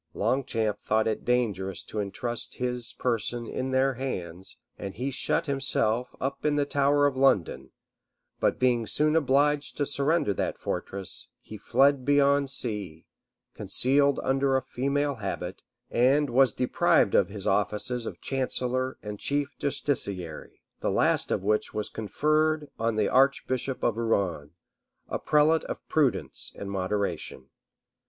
Longchamp thought it dangerous to intrust his person in their hands, and he shut himself, up in the tower of London; but being soon obliged to surrender that fortress, he fled beyond sea, concealed under a female habit, and was deprived of his offices of chancellor and chief justiciary, the last of which was conferred on the archbishop of Rouen, a prelate of prudence and moderation.